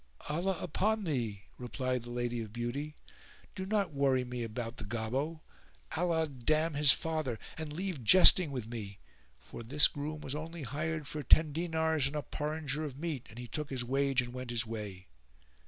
"Allah upon thee," replied the Lady of Beauty, "do not worry me about the Gobbo, Allah damn his father; [FN#438] and leave jesting with me; for this groom was only hired for ten dinars and a porringer of meat and he took his wage and went his way.